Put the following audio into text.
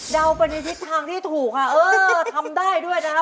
เดาไปในทิศทางที่ถูกค่ะเออทำได้ด้วยนะครับ